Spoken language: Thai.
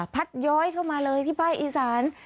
ย้อยเข้ามาเลยที่ภาคอีสาน